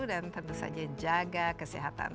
dan tentu saja jaga kesehatan